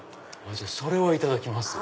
それはいただきます。